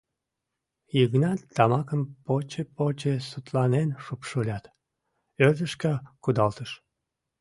Йыгнат тамакым поче-поче сутланен шупшылят, ӧрдыжкӧ кудалтыш.